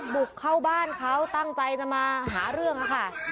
บุกเข้าบ้านเขาตั้งใจจะมาหาเรื่องค่ะ